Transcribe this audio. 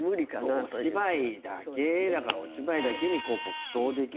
お芝居だけだからお芝居だけに没頭できるような。